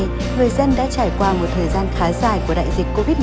người dân đã trải qua một thời gian khá dài của đại dịch covid một mươi chín